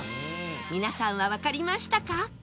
皆さんはわかりましたか？